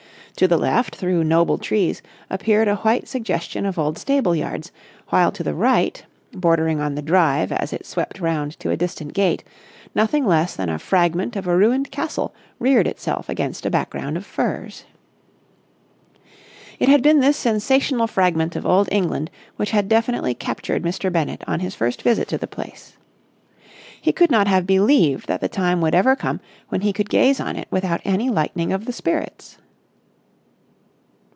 To the left, through noble trees, appeared a white suggestion of old stable yards; while to the right, bordering on the drive as it swept round to a distant gate, nothing less than a fragment of a ruined castle reared itself against a background of firs. It had been this sensational fragment of Old England which had definitely captured Mr. Bennett on his first visit to the place. He could not have believed that the time would ever come when he could gaze on it without any lightening of the spirits.